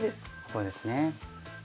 こうですね。